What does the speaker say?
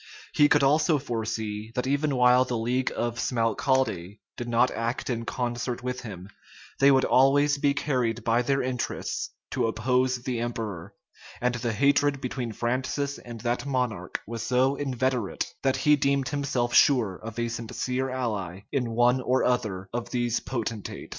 He could also foresee, that even while the league of Smalcalde did not act in concert with him, they would always be carried by their interests to oppose the emperor: and the hatred between Francis and that monarch was so inveterate, that he deemed himself sure of a sincere ally in one or other of these potentates.